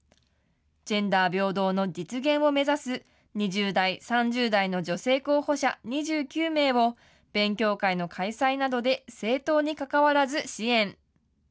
ジェンダー平等の実現を目指す、２０代、３０代の女性候補者２９名を、勉強会の開催などで政党に関わらず支援。